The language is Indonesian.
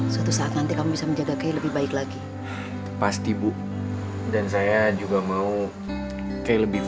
suatu saat nanti kamu tuh akan menangis